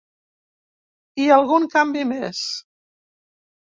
I algun canvi més.